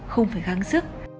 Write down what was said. không phải găng sức